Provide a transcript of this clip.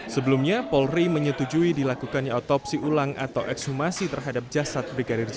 sebelumnya polri menyetujui dilakukannya otopsi ulang atau ekshumasi terhadap jasad brigadir j